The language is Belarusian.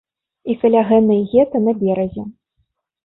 І каля гэнай гета на беразе.